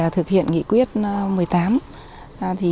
thực hiện nghị quyết một mươi tám